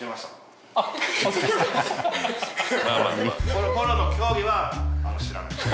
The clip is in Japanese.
このポロの競技は知らないです。